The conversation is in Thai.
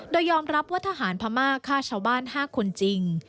โดยยอมรับว่าทหารพม่าฆ่าชาวบ้าน๕คนจริง